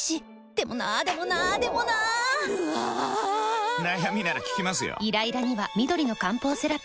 でもなーでもなーでもなーぬあぁぁぁー！！！悩みなら聞きますよ。